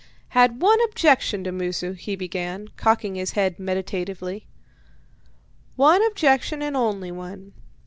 "Had one objection to Moosu," he began, cocking his head meditatively "one objection, and only one.